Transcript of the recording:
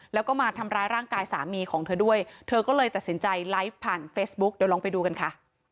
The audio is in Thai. แล้วก็มาทำร้ายร่างกายสามีของเธอด้วยเธอก็เลยตัดสินใจไลฟ์ผ่านเฟซบุ๊กเดี๋ยวลองไปดูกันค่ะ